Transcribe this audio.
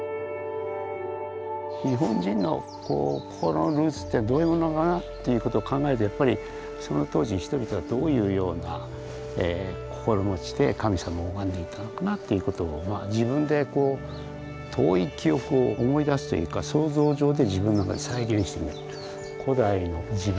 日本人の心のルーツってどういうものかなということを考えるとやっぱりその当時人々がどういうような心持ちで神様を拝んでいたのかなということを自分でこう遠い記憶を思い出すというか想像上で自分の中で再現してみる。